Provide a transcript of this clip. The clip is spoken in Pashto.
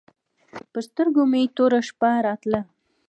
پر سترګو مې توره شپه راتله.